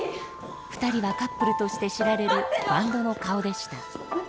２人はカップルとして知られるバンドの顔でした